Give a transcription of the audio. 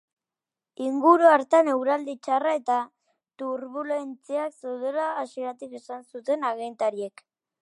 Inguru hartan eguraldi txarra eta turbulentziak zeudela hasieratik esan zuten agintariek.